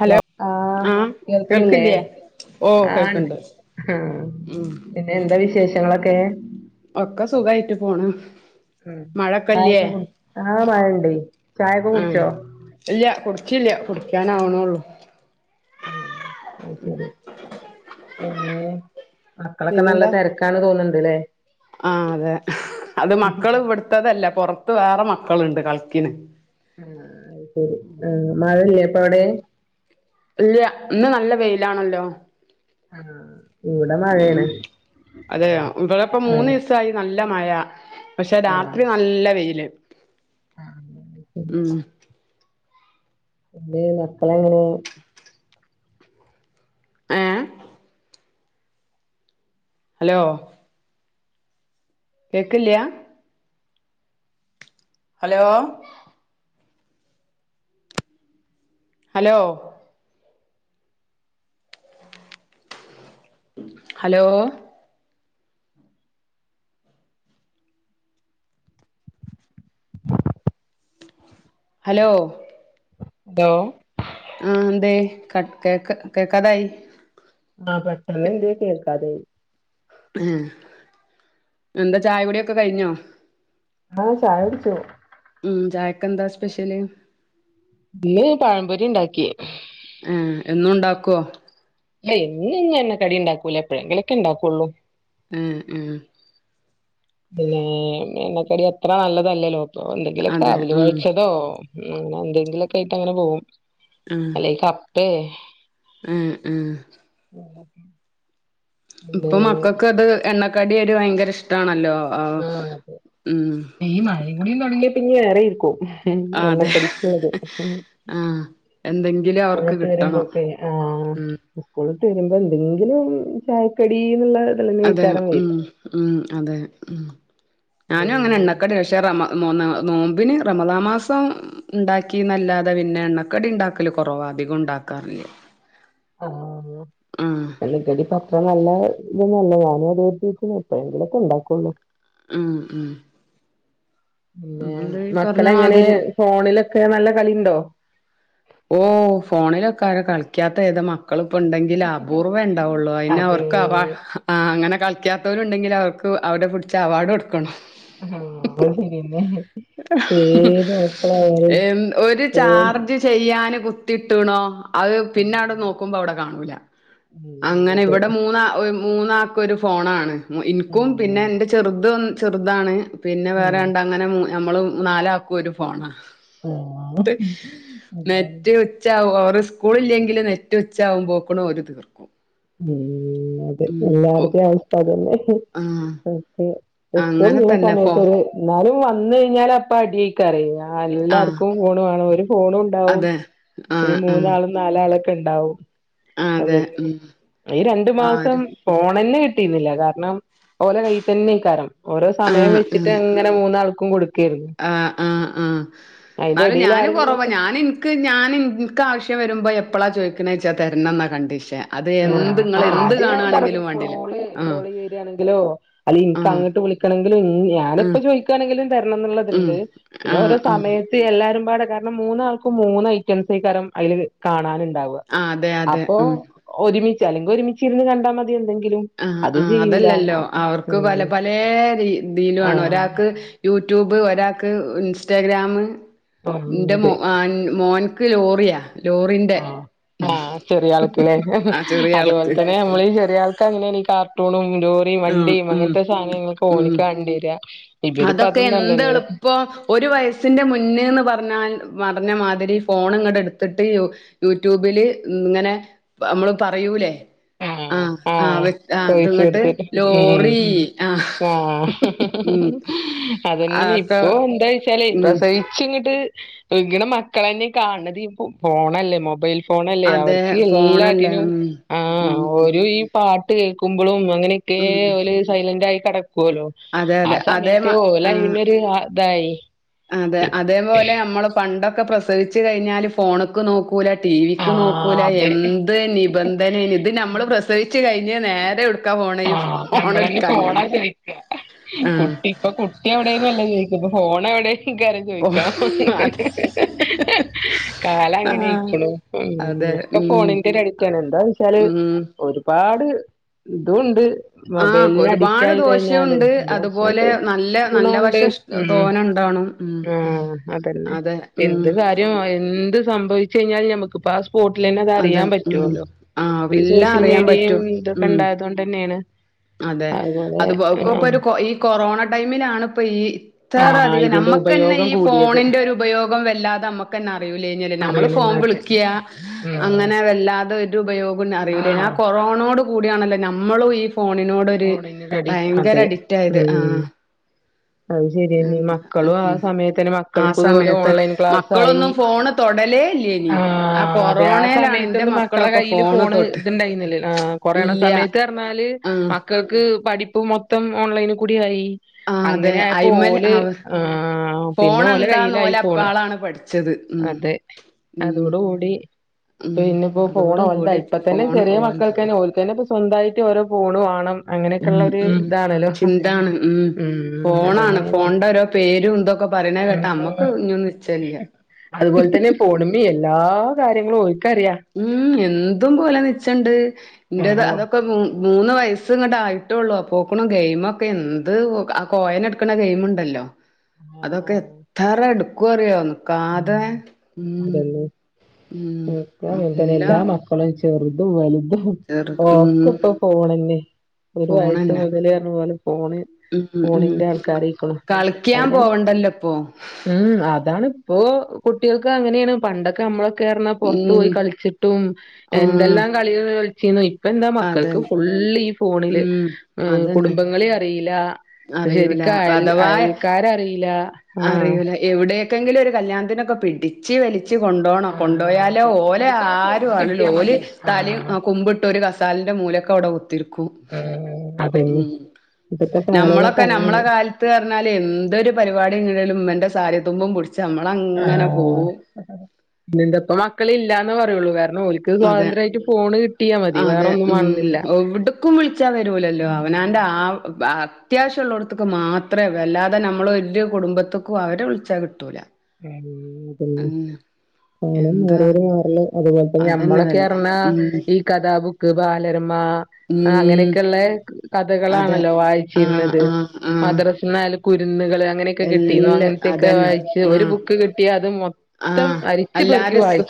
Hello ആഹ് കേൾക്ക്ണില്ലേ ഓ ആഹ് ണ്ട് കേൾക്കണ്ട് ആഹ് ഉം പിന്നെ എന്താ വിശേഷങ്ങളൊക്കെ ഒക്ക സുഖായിട്ട് പോണ്. ഉം മഴക്കല്ലേ ചായൊക്കെ കു ആഹ് മഴണ്ടെയ് ചായൊക്കെ ആഹ് കുടിച്ചോ ഇല്ല കുടിച്ചില്ല കുടിക്കാനാവണൊള്ളൂ. ആഹ് അയ് ശരി പിന്നെ മക്കളൊക്കെ നല്ല പിന്നെന്താ തെരക്ക്. ക്കാണ് തോന്ന്ണ്‌ണ്ട് ല്ലേ. ആഹ് അതെ അത് മക്കള് ഇവിട്ത്തത് അല്ല പൊറത്ത് വേറെ മക്കള്ണ്ട് കളിക്കിണ് ഉം അത് ശരി ആഹ് മഴല്ലേ അപ്പൊ അവിടെ ഇല്ല ഇന്ന് നല്ല വെയിലാണല്ലോ. ആഹ് ഇവിടെ മഴയാണ് ഉം അതെയോ ഇവടെപ്പ മൂന്ന് ആഹ് ദിസ് സായി നല്ല മഴ പക്ഷെ ആഹ് രാത്രി നല്ല വെയില് [unintelligible] ഉം എന്തെയ് മക്കളെങ്ങനെ ഏഹ് ഹലോ കേക്ക്ല്ല്യ hello hello hello hello hello ആഹ് എന്തേ കട്ട് കേക്ക കേക്കാതായി ആഹ് പെട്ടെന്ന് എന്തേ കേക്കാതായി. ഏഹ് എന്താ ചായ കുടിയൊക്കെ കഴിഞ്ഞോ ആഹ് ചായ കുടിച്ചു. ഉം ചായക്കെന്താ സ്പെഷ്യല് ഇന്ന് പഴംപൊരി ഇണ്ടാക്കി ഏഹ് എന്നുണ്ടാക്കോ ഏയ് എന്നും ഇഞ്ഞെണ്ണക്കടി ഇണ്ടാക്കൂല എപ്പോഴെങ്കിലൊക്കെ ഉണ്ടാക്കുള്ളൂ. ഉം ഉം പിന്നേ എണ്ണക്കടി എത്ര നല്ലതല്ലേല്ലോ അപ്പൊ എന്തെങ്കിലൊക്കെ അതെ അവ്‌ല് ഉം വേവിച്ചതോ. ഉം അങ്ങനെ എന്തെങ്കിലൊക്കെ ആയിട്ട് അങ്ങനെ പോകും. ആഹ് ഇല്ലെയ് കപ്പേ ഉം ഉം [inaudible] പിന്നെ ഇപ്പം മക്കക്ക് ഇത് എണ്ണക്കടി ഒര് ഭയങ്കര ഇഷ്ടാണല്ലോ ആഹ് ഉം ഈ മഴയും കുടിം തുടങ്ങിയ പിന്നെ വേറെ ഇരിക്കും ആ പിന്നെ എണ്ണ അതെ കടിക്ക്ള്ളത് ആ എന്തെങ്കിലും [unintelligible] അവർക്ക് സ്കൂളിട്ട് കിട്ടണം വരുമ്പോഴൊക്കെ ആഹ് ഉം ഇസ്കൂട്ട് വരുമ്പോ എന്തെങ്കിലും ചായക്കടീന്ന്ള്ളെ അതെ ഉം ഉം അതെ ഉം ഞാനും പിന്നെ അങ്ങനെ എണ്ണക്കടി പക്ഷേ റമ നോന്ന നോമ്പിന് റമാളമാസം ഉണ്ടാക്കി എന്നല്ലാതെ പിന്നെ എണ്ണ ക്കടി ഉണ്ടാക്കില്ല കുറവ അധികം ഉണ്ടാക്കാറില്ലേ ആഹ് ആഹ് ഉം ടി പത്ര നല്ല ഇതന്നല്ല ഞാനും അത ഉപോഗിക്ക എപ്പോഴെങ്കിലുംക്കെ ഉണ്ടാക്കുള്ളൂ ഉം ഉം പിന്നെ മ്മള് ഈ മക്കള പറഞ്ഞ എങ്ങനെ മാതിരി ഫോണിലൊക്കെ നല്ല കളിണ്ടോ ഓ ഫോണിലൊക്കെ ആര കളിക്കാത്ത ഏദ മക്കാ മക്കളിപ്പം ഉണ്ടെങ്കിൽ അപൂർവ്വം ഉണ്ടാവുള്ളൂ അതിന് അതെ അവർക്ക് അങ്ങനെ കളിക്കാത്തവരു ഉണ്ടെങ്കിൽ അവർക്ക് അവരെ പിടിച്ച അവാർഡ് കൊടുക്കണം ആഹ് അഹ് ശരിയെന്നെ പേത് മക്കലാണേലും എൻ ഒരു ഓൾ ചാർജ് ചെയ്യാന് കുത്തിട്ടുണോ അത് പിന്നെ അവിടെ നോക്കുമ്പോ അവിടെ കാണൂല ഉം അങ്ങനെ അതെ ഇവിടെ മൂന്ന മൂന്നാാക്ക ഒരു ഫോണാണ് ഇനിക്കും പിന്നെ ഉം എന്റെ ചെറുത ചെറുതാണ് പിന്നെ ഉം വേറെണ്ട അങ്ങനെ നമ്മള് നാല ആക്കും ഒരു ഫോണാ ആഹ് അതാണ് നെറ്റ് ഉച്ച അവ സ്കൂള ഇല്ലെങ്കിൽ നെറ്റ് ഉച്ചാവുമ്പോക്കണ ഒരു തീർക്കും ഉം അതെ ഉം ഒ എല്ലാരുടെയും ആവസ്ഥ്യംന്നെ ആ സ്കൂള അങ്ങനെ ഉള്ള തന്നെ ഫോ സമയത്ത ഒരു എന്നാലും വന്നു കഴിഞ്ഞാൽ അപ്പ അടി അയക്കാരെ ആ എല്ലർക്കും ഫോൺ വേണം ഫോണ ഉണ്ടാവും അതെ ആ ഈ മൂന്ന് ആൾ നാലാളൊക്കെ ഉണ്ടാവും ആഹ് അതെ അതന്നെ ഉം ഈ രണ്ടു മാസം ആര് ഫോണന്നെ കിട്ടിുന്നില്ല കാരണം ഓലെ കൈ തന്നെ കാരം ഓരോ ആ സമയം ആ വെച്ചിട്ട് അങ്ങനെ മൂന്നാൾക്കും കൊടുക്കായിരുന്നു ആഹ് ആഹ് ആഹ് അതിന്റെ എടെൽ ആരെങ്കിലൊക്കെ എനിക്ക് ഞാൻ എനിക്ക് ആശ്യ വരുമ്പോൾ എപ്പോഴാണ് ചോദിക്കുന്നത് ച വച്ചാൽ തരണന്ന് കണ്ടീഷൻ അത് എന്ത് ഇങ്ങള് ആഹ് എന്ത് അത് ഞാൻ പറ കാണാണെങ്കിലും വാണ്ടില്ല കോള് ആഹ് കോള് വെ രിയാണെങ്കിലോ അല്ലനി ആഹ് അങ്ങോട്ട് വിള ങ്കില ഞാൻ ഇപ്പ ആഹ് ചോദിക്കുകയാണെങ്കിലും തരണം ഉം എന്നുള്ളത്ണ്ട് പിന്നെ ആഹ് ഓരോ ആഹ് സമയത്ത് എല്ലാരും പാട കാരണം മൂന്നാൾക്കും മൂന്ന് ഐറ്റംസ കാരം അയ്ല് ൽ കാണാനുണ്ടാവും ആഹ് അതെ അതെ അപ്പൊ ഉം ഒരുമിച്ച് അല്ലെങ്കിൽ ഒരുമിച്ചച്ച് ഇരുന്ന് കണ്ടാ മതി എന്തെങ്കിലും ആഹ് അത് ആഹ് ചെയ്യൂല അതല്ലല്ലോ അപ്പൊ അവർക്ക് പല ഉം പല രീതിയില ആണ് ആഹ് ഒരാൾക്ക് യൂട്യൂബ് ഒരാൾക്ക് ഇൻസ്റ്റഗ്രാമ് ആഹ് അതെ മോൻ ഒ ലോറിയ ആഹ് ആഹ് ചെറിയ ആൾക്കെ ആ ചെറിയ അതുപോലെ ആൾക്ക് തന്നെ നമ്ളീ ചെറിയ ആൾ ക്കെ അങ്ങനെയ കാർട്ടൂണും ലോറിയും ആഹ് വണ്ടിയും ഉം അങ്ങനത്തെ സാധനങ്ങക്ക് ഉം ഓണിക്ക കണ്ടില അതൊക്കെ എന്തെ എളുപ്പം ഒരു വയസ്സിൻ്ന്റെ മുന്നേന്ന് പറഞ്ഞാൽ പറഞ്ഞ മാതിരി ഫോൺ ഇങ്ങടെ എടുത്തിട്ട് യൂട്യൂബില് ഇങ്ങനെ നമ്മള് പറയൂലേ ആഹ് ആഹ് ആഹ് അവര് ഇതുങ്ങോട്ട് ലോറി ആഹ് ഉം അതന്നെയെ അതൊക്കെ ഇപ്പൊ എന്താ വച്ചാലേ ഉം പ്രസവ ച്ച് ങ്ങട്ട് വുകുണ മക്കള തന്നെ കാണത് ഫോണല്ലേ മൊബൈൽ ഫോണല്ലേ അതെ അവർക്ക് ഫോണല്ലേ എല്ലാറ്റിനും ഉം ഉം ഓരു ഈ പാട്ട് കേക്ക്മ്പളും അങ്ങനെക്കേ ഉം ഓല് സൈലന്റായി കെടക്കോലോ അതെ അതെ അതേ മ ആഹ് ഇതായി അതെ അതേപോലെ അമ്മളും പണ്ടൊക്കെ പ്രസവിച്ച് കയിഞ്ഞാല് ഫോണ്ക്ക് നോക്കൂല ടി വിക്ക് ആഹ് നോക്കൂല അതെ എന്ത്‌ നി ബന്ധനേന് ഇത് നമ്മൾ പ്രസവിച്ച് കഴിഞ്ഞ് നേരെ എവ്ട്ക്കാ പോണ് ഈ ആഹ് നമ്മളന്നെ ഫോണാ ഫോണെട്ക്കാനാണ്. ചോയിക്ക കുട്ടി ഇപ്പൊ കുട്ടി എവടേന്നുഅല്ല ചോയിക്ക ഇപ്പൊ ഫോണെവടെ. ക്കാരം ഓ ചോയിക്ക അതെ കാലം ആഹ് അങ്ങനെയിക്ക്ണു. ഉം അതെ ഒക്കെ ഉം ഫോണിന്റെ ഒര് അഡിക്റ്റാണ് എന്താന്ന് വച്ചാല് ഉം ഒരുപാട്. തുണ്ട് ആഹ് മൊബൈലിന് ഒരുപാട് അഡിക്റ്റായി കഴിഞ്ഞാല് ദോഷവുണ്ട് അതുപോലെ ദോഷോണ്ട്, നല്ല നല്ല ഗുണോണ്ട്. വശം ഇഷ് ഉം തോനെ ഉണ്ടാണും ഉം ആഹ് അതന്നെ അതെ ഉം എന്ത് കാര്യോം എന്ത്. സംഭവിച്ച് കയിഞ്ഞാലും ഞമ്മക്ക്പ്പാസ് പോട്ടിലെന്നെ അത് അതെ അറിയാൻ ഉം പറ്റോല്ലോ. ആഹ് ഇപ്പൊ ഈ എല്ലാം സോഷ്യൽ അറിയാൻ മീഡിയയും പറ്റും ഇതൊക്കെ ഉം ഇണ്ടായതോണ്ടന്നേണ്. അതെ അത്പ്പോ ഒക്കൊപ്പരു കൊ ഈ കൊറോണ ടൈമിലാണ്പ്പ ഈ. ത്തറ ആഹ് അധികം ഇതിന്റെ ഞമ്മക്കന്നെ ഉപയോഗം ഈ കൂടിയത് ഫോണിന്റെ ഒരു ഉപയോഗം വല്ലാതെമ്മക്കന്നെ അറിയൂലേനലോ നമ്മള് അറിയില്ല ഫോൺ വിളി ഇങ്ങോട്ട് ക്ക്യാ ഉം അങ്ങനെ വല്ലാതൊ രു ഉപയോഗുൻ അറിയൂലായിനു ആ ആഹ് കൊറോണോടു കൂടിയാണല്ലോ നമ്മളും ഈ. ഫോണിനോടൊര് ഫോണിന് റെഡി ഭയങ്കര അതെ അഡിക്റ്റായത്. ഉം ആഹ് അത് ശരിയന്നെ എന്താ ഉം, മക്കളും ആ ഉം സമയത്തന്നെ ആ മക്കൾക്കും ഇതുപോലെ സമയത്ത് ഓൺലൈൻ മ ക്ലാസ് ആയി ക്കളൊന്നും ഫോണ് തൊടലേ ഇല്ലേനി. ആ ആഹ് അതെ ആ കൊറോണേലാണ് ഇന്റെ മക്കളൊക്കെ ഫോണ് തൊട്ട്. ത്ണ്ടായിനില ആഹ് കൊറേണ ഇല്ല്യ സമയത്ത്. ർണ്ണാല് ആഹ് മക്കക്ക് പഠിപ്പ് മൊത്തം ഓൺലൈന്ക്കൂടി ആയി. ആ അതെ അങ്ങനെ ആയപ്പോ അയ്മൽ ഓല് അവ ആഹ് പിന്നെ ഫോൺ ഓല എന്താന്ന് കൈയിലായി ഓല് ഫോണ്. അപ്പാളാണ് പഠിച്ചത് ഉം അതെ ഉം അതോടുകൂടി. ഉം പിന്നെപ്പോ ഫോണ് അതോട് കൂടി ഓൽതായി ഇപ്പൊ ഇപ്പതന്നെ ഫോൺ ചെറിയ ഓൽതാ മക്കക്കന്നെ ഓല്ക്കന്നെപ്പൊ സ്വന്തായിട്ട് ഓരോ ഫോണ് വാ ണം ഉം അങ്ങനെക്കെള്ളൊര് ഉം ഇതാണല്ലോ. ചിന്താണ് ഉം ഉം ഫോണാണ് അതന്നെ. ഫോണിന്റെ ഓരോ പേരും തൊക്കെ പറയണെ കേട്ടാ അമ്മക്ക് ഇഞ്ഞും നിച്ചല്ല്യ. അത്പോല്തന്നെ ഫോണ്മ്മി എല്ലാ കാര്യങ്ങളും ഓൽക്കറിയാ. ഉം എന്തും പോലെ നിച്ചണ്ട് ഇന്റത് അപ്പൊ അതൊക്കെ. മൂന്ന് വയസ്സ് ഇങ്ങട്ട് ആയിട്ടൊള്ളു അപ്പോക്ക്ണും ഗെയിമൊക്കെ എന്ത് ആ കോയനെട്ക്ക്ണ ഗെയിമ്ണ്ടല്ലോ. ആഹ് അതൊക്കെ ആഹ് എത്തറ എടുക്കു അറിയോ ഉം നിക്കാതെ ഉം. അതന്നെ ഉം ഒക്കെ അങ്ങന് തന്നെ നല്ല എല്ലാ മക്കളും ചെർതും വല്തും. ചെറുത് ഉം ഓക്ക്‌ ഇപ്പൊ ഫോണന്നെ ഒരു വയസ്സ് ഫോണന്നെ മുതല് പർണ്ണ പോലെ ഫോണ്. ഉം ഉം ഫോണിന്റെ ആൾക്കാരയ്ക്ക്ണു കളിക്കാൻ അയ്ലൻ പോവണ്ടല്ലോ ഇപ്പൊ ഉം അതാണ്. ഇപ്പോ കുട്ടികൾക്ക് അങ്ങനേണ് പണ്ടൊക്കെ ഞമ്മള്. ക്കേർണ്ണ പൊർത്ത് ഉം പോയി കളിച്ചിട്ടും ഉം എന്തെല്ലാം കളികൾ കളിച്ചീന്നു ഇപ്പെന്താ അതെ മക്കൾക്ക് ഫുൾ ള്ള് ഈ ഫോണില് ഉം അതന്നെ കുടുംബങ്ങളെ അറീലാ. അറിയൂല ശരിക്ക് അയൽ അഥവാ അയൽക്കാരറീലാ. അറിയൂല എവിടേക്കെങ്കിലും ഒരു കല്യാണത്തിനൊക്കെ പിടിച്ച് വലി ച്ച് കൊണ്ടോണം ആഹ് കൊണ്ടോയാലോ അതെ ഓലെ ഓൽക്കാ ഫോണ് ആരുആണ് കിട്ടിയാ ലോല് മതി തലിം ആഹ് കുമ്പിട്ട് ഒരു കസെ സാലന്റെ മൂലെക്കവ്ടെ കുത്തിരിക്കും. ഉം അതന്നെ ഉം ഇപ്പത്തെ കാലഘട്ടം നമ്മളൊക്കെ നമ്മളെ അങ്ങനെയാണ് കാല ത്ത് പറഞ്ഞാല് എന്തൊരു പരിപാടിണ്ടേലും ഇമ്മന്റെ സാരിത്തുമ്പും പുടിച്ച് അമ്മളങ്ങനെ പോവും. [unintelligible] ഇതിന്റെപ്പൊ മക്കള് ഇല്ലാന്ന് പറയൊള്ളൂ കാരണം ഓല് അതെ, അതെ വേറൊന്നും ഉം വേണന്നില്ല എവ്ട്ക്കും വിളിച്ചാ വരൂലല്ലോ. ഉം അവനാന്റെ ആ അത്യാവശ്യള്ളോട്ത്ത്ക്ക് മാത്രേ വല്ലാതെ നമ്മളൊരു കുടുംബത്ത്ക്കും അവരെ വിളിച്ചാ കിട്ടൂല. ഉം ഉം [unintelligible] എന്താ അതുപോലെതന്നെ അതന്നെ വല്ല ഞമ്മളൊക്കെറഞാ ഉം ഈ. കഥാബുക്ക് ബാലരമാ. ആഹ് ഉം അങ്ങനെക്കെള്ളേ അതെ കഥകളാണല്ലോ ആഹ് വായിച്ചിര്ന്നത് ആഹ് ആഹ് മദ്രസ് ന്നാല് കുരുന്നുകള് അങ്ങനെക്കെ കിട്ടിന്നോ എല്ല അങ്ങനത്തെയൊക്കെ അതന്നെ വായിച്ച് ഒരു ബുക്ക് കിട്ടിയാ അത് മൊത്തം ആഹ എല്ലാരും സ്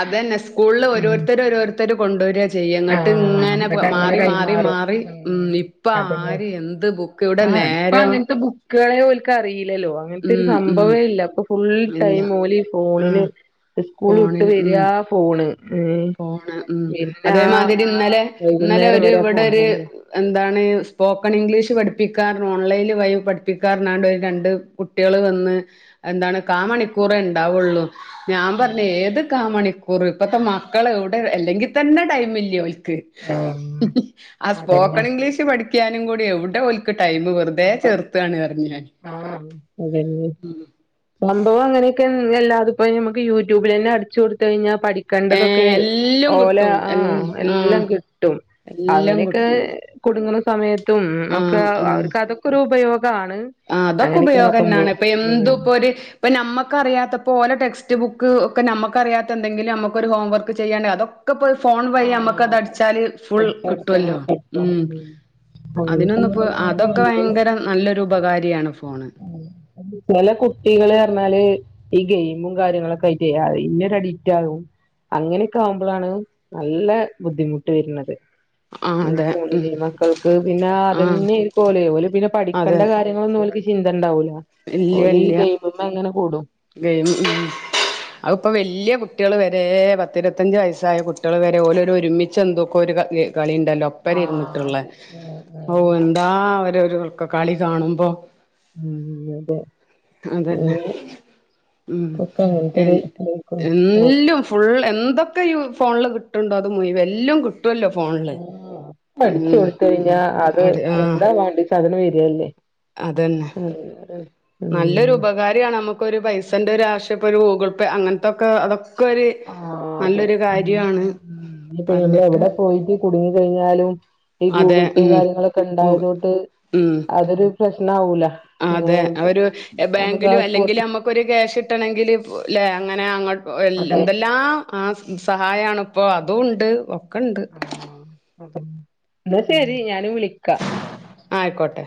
അത് തന്നെ സ്കൂളില് ഉം ഓരോരുത്തരും ഓരോരുത്തര കൊണ്ടുവരി ചെയ്യും ങ്ങട്ട് ആഹ് ങ്ങനെ എന്നിട്ട് അങ്ങനെ മാറി മാറി കൈമാറും മാറി ഉം ഇപ്പ അതന്നെ ആര് എന്ത് ബുക്ക് ക്കെവ്ടെ നേരം ക്കാളെ ഓൽക്കറിയിലല്ലോ അങ്ങനത്തെ ഒരു ഉം ഉം സംഭവേ ഇല്ല ഇപ്പൊ ഫുൾ ഇല്ല ടൈം ഓല് ഫോണിന് ആഹ് സ്കൂള്ട്ട് ഫോണിന് ഉം വരാ ഫോണ് ഏഹ് ഫോണ് ഉം പിന്നെ ആ അതേമാതിരി ഇന്നലെ ഇന്നലെ വൈകുന്നേരം ഒരു വരെ ഫോണ് ഇവിടൊരു തന്നെ എന്താണ് സ്പോക്കൺ ഇംഗ്ലീഷ് പഠിപ്പിക്കാനാണ്ട് ഓൺലൈന് വഴി പഠിപ്പിക്കാർന്നറഞാണ്ട് ഒരു രണ്ട് കു കുട്ട്യാള് വന്ന് എന്താണ് കാ മണിക്കൂറ ഇണ്ടാവൊള്ളൂ ഞാൻ പറഞ്ഞ ഉം ഏത് കാ മണിക്കൂറ് ഇപ്പത്തെ മക്കളെവുടെ അല്ലെങ്കി തന്നെ ടൈമില്ലാ ഓൽ ക്ക് ഉം ആ അതന്നെ സ്പോക്കണിഗ്ലീഷ് പഠിക്കാനുംകൂടി എവുടെ ഓൽ ക്ക് ടൈംമ് വെറ്തെ ചേർത്താണ്ന്നറഞ് ഞാന് ആഹ അതെന്നെ സംഭവംങ്ങനെയൊക്കെയെല്ലാത്പ്പ ഞമ്മക് യൂട്യൂബിലെന്നെ അടിച്ചോട്ത്ത് കഴിഞ്ഞാ പഠിക്ക ഏ ക്കണ്ടതൊക്കെ എല്ലും ഓല കിട്ടും എൽ ആഹ എല്ലാം ആഹ് കിട്ടും എല്ലാം അങ്ങനൊക്കെ കിട്ടും കുടുങ്ങണ സമയത്തും ഒക്കെ ആഹ് ആഹ് അവർക്ക് അതൊക്കെ ഒരു ഉപയോഗാണ് ആ അതൊക്കെ ഉപയോഗന്നാണ് ഇപ്പൊ എന്തുംപ്പൊര് ഇപ്പ നമ്മക്കറിയാത്തപ്പോ ഓലെ ടെസ്റ്റ് ബുക്ക് ഒക്കെ നമക്കറിയാത്ത ന്തെങ്കിലും നമ്മക്കൊരു ഹോംവർക്ക് ചെയ്യാണ്ടെങ്കില് അതൊക്കെ ക്കപ്പ ഫോൺ വഴി ആഹ് അതെ അമ്മക്കതടിച്ചാല് ഫുൾ അടിച്ചെടുത്ത് കിട്ടല്ലോ കിട്ടും ഉം അതിനൊന്നപ്പോ അങ്ങനെയൊക്കെ അതൊക്കെഭയങ്കര നല്ലൊരു ഉപകാരിയാണ് ഫോണ് ചെല കുട്ടികള്ന്നറഞ്ഞാല് ഈ ഗെയിമും കാര്യങ്ങളൊക്കായിറ്റെ അയ്നൊരഡിക്റ്റാകും അങ്ങനെക്കാ വ്മ്പലാണ് നല്ല ബുദ്ധിമുട്ട് വരുന്നത് ആ അതെ ഫോണിൽ ഉം മക്കൾക്ക് പിന്നെ ആ അതയിരിക്കേപലെ പിന്നെ അതെ പഠിക്കേണ്ട കാര്യ കാര്യങ്ങളൊൽക്ക് ചിന്തണ്ടാവൂലഓല് ഈ ഗെയിമ്മ്മങ്ങനെ കൂടും ഗെയി ഉം അവ്പ്പോ വല്ല്യ കുട്ട്യാള് വരെ ഒരേ പത്തിരുപത്തഞ്ച് വയസ്സായ കുട്ട്യാള് വരെ ഓലൊരുരുമിചൊന്തെക്കോരു കളിയൊക്കെണ്ടല്ലോ ആഹ് ഒപ്പരരിന്നിട്ട്ള്ള അത് ഓ എന്താ അവരൊരു കളി കാണുമ്പോ ഉം ഉം അതെ അതന്നെ ആഹ ഉം എ ഇതായിക്കുണു ഉം എല്ലോം ഫുൾ എന്തൊക്കെയു ഫോണില് കിട്ട്ണ്ടോ അത് മുയവം എല്ലൊം കിട്ടും ട്ടല്ലോ ഫോൺ ഉം പഠിച്ചു കൊട്ത്തയിഞ്ഞാ അത് അടി ആ എന്താ വേണ്ടിചാ അത് വരല്ലേ അതന്നെ [unintelligible] നല്ലൊരുപകാരിയാണ് നമക്കൊരു പൈസന്റൊരാവശ്യപ്പരു ഗൂഗിൾ പേ അങ്ങനത്തൊക്കെ അതൊ ആ അതെ അങ്ങനെക്ക ഇപ്പ പറഞ്ഞിട്ട് ഞമ്മളെവടെ പോയിട്ട് കുടുങ്ങി കയിഞ്ഞാലും ഈ അതെ ഗൂഗിൾ പേ ഉം കാര്യങ്ങളൊക്കണ്ടായതൊണ്ട് ഉം അതൊരു പ്രശ്നാവൂല അതെ അങ്ങനെ അതൊരു നമുക്ക് ആ സ്പോട്ടിൽ ബാങ്കിലല്ലെങ്കിലമ്മ ക്കൊരു ക്യാഷ് കിട്ടണെങ്കില് അങ്ങനങ്ങട്ട് എല്ല അതെ എന്തെല്ലാം ആ സഹായണ്പ്പോ അതുംണ്ട് ഒക്കെ ണ്ട് ആ ന്നാ ശരി ഞാൻ വിളിക്ക ആഹ് അയ്ക്കോട്ടെ